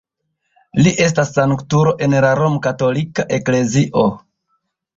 Li estas sanktulo en la romkatolika eklezio.